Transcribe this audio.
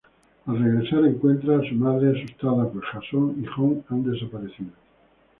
Al regresar, encuentra a su madre asustada pues Jason y Jon han desaparecido.